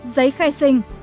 giấy khai sinh